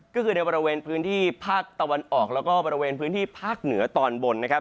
ก็คือในบริเวณพื้นที่ภาคตะวันออกแล้วก็บริเวณพื้นที่ภาคเหนือตอนบนนะครับ